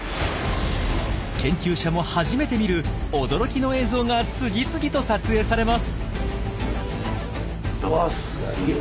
研究者も初めて見る驚きの映像が次々と撮影されます。